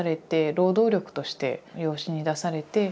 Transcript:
労働力として養子に出されて。